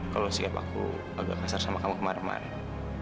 kalau siap aku agak kasar sama kamu kemarin kemarin